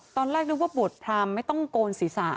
ตอนแรกนึกว่าบวชพรามไม่ต้องโกนศีรษะ